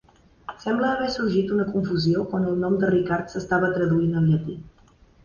Sembla haver sorgit una confusió quan el nom de Ricard s'estava traduint al llatí.